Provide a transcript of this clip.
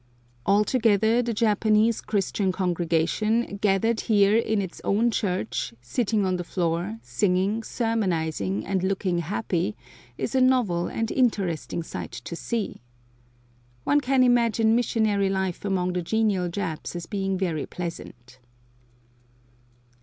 Altogether the Japanese Christian congregation, gathered here in ita own church, sitting on the floor, singing, sermonizing, and looking happy, is a novel and interesting sight to see. One can imagine missionary life among the genial Japs as being very pleasant.